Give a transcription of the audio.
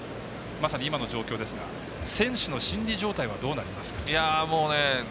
まさに今の状態ですが選手の心理状態はどうなりますか？